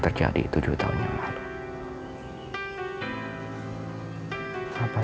selamat siang pak